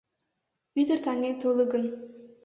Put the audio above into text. Ӱдыр-таҥет уло гын